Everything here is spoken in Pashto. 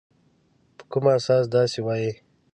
په کوم اساس داسي وایې ؟